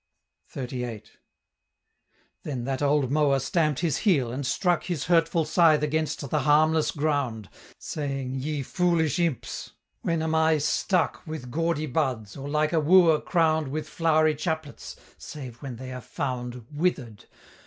XXXVIII. Then that old Mower stamp'd his heel, and struck His hurtful scythe against the harmless ground, Saying, "Ye foolish imps, when am I stuck With gaudy buds, or like a wooer crown'd With flow'ry chaplets, save when they are found Withered?